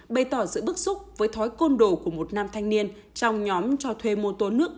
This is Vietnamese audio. bày tỏ sự bức xúc với thói côn đồ của một nam thanh niên trong nhóm cho thuê mô tố nước